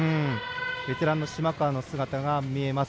ベテランの島川の姿が見えます。